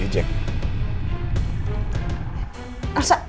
bentar ya mas al telfon